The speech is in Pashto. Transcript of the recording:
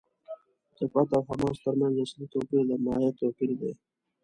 د فتح او حماس تر منځ اصلي توپیر د ماهیت توپیر دی.